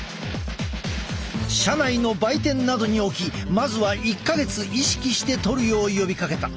社内の売店などに置きまずは１か月意識してとるよう呼びかけた。